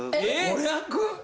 ５００！